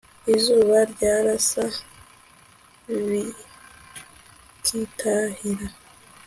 izuba ryarasa bikitahira